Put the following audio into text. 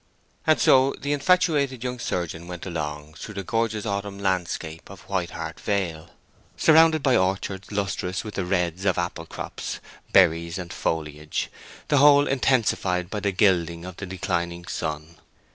And so the infatuated young surgeon went along through the gorgeous autumn landscape of White Hart Vale, surrounded by orchards lustrous with the reds of apple crops, berries, and foliage, the whole intensified by the gilding of the declining sun.